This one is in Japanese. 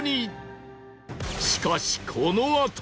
しかしこのあと